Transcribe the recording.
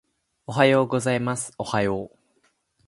おはようございますおはよう